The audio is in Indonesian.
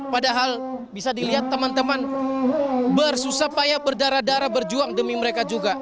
padahal bisa dilihat teman teman bersusah payah berdarah darah berjuang demi mereka juga